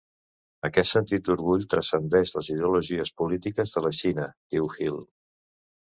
Aquest sentit d'orgull transcendeix les ideologies polítiques de la Xina, diu Hill.